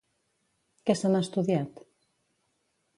Què se n'ha estudiat?